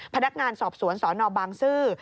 พนักงานสอบสวนสนบางซื่อ